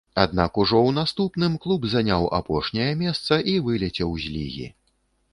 Аднак ужо ў наступным клуб заняў апошняе месца і вылецеў з лігі.